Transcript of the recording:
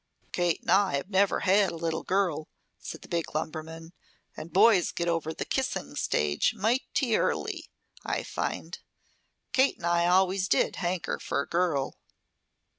"For Kate and I have never had a little girl," said the big lumberman, "and boys get over the kissing stage mighty early, I find. Kate and I always did hanker for a girl."